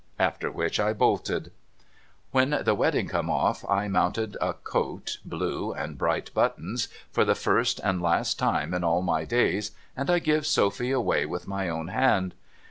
After which I bolted. When the wedding come off, I mounted a coat (blue, and bright buttons), for the first and last time in all my days, and I give Sopliy away with my own hand.